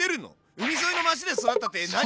海沿いの町で育ったって何？